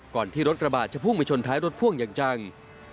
ก่อนที่รถกระบาดจะพุ่งไปชนท้ายรถพ่วงอย่างจัง